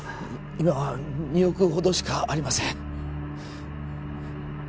今は２億ほどしかありません